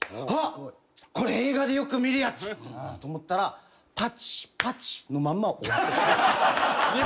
あっこれ映画でよく見るやつ！と思ったらパチパチのまんま終わってた。